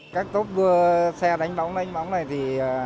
các tốp đua xe đánh võng đánh võng này thì